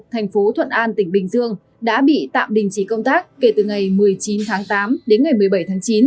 thành phố thuận an tỉnh bình dương đã bị tạm đình chỉ công tác kể từ ngày một mươi chín tháng tám đến ngày một mươi bảy tháng chín